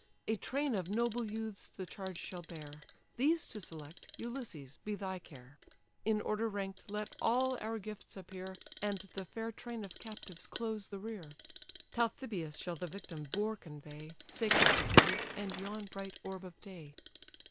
A train of noble youths the charge shall bear; These to select, Ulysses, be thy care: In order rank'd let all our gifts appear, And the fair train of captives close the rear: Talthybius shall the victim boar convey, Sacred to Jove, and yon bright orb of day."